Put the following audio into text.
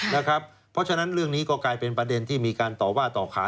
เพราะฉะนั้นเรื่องนี้ก็กลายเป็นประเด็นที่มีการต่อว่าต่อขา